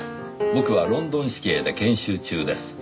「僕はロンドン市警で研修中です」